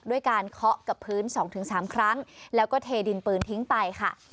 ด้วยการเคาะกับพื้น๒๓ครั้งแล้วก็เทดินปืนทิ้งไปค่ะ